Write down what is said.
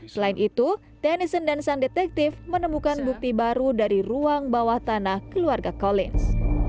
selain itu tennison dan sang detektif menemukan bukti baru dari ruang bawah tanah keluarga colins